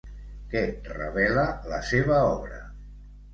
Què revela la seva obra?